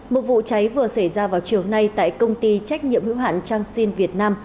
một vụ cháy vừa xảy ra vào chiều nay tại công ty trách nhiệm hữu hạn changxin việt nam